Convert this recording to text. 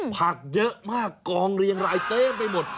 ผักเยอะมากกองเรียงรายเต็มไปหมด